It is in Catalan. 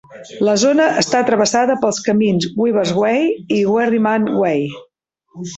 La zona està travessada pels camins Weavers' Way i Wherryman's Way.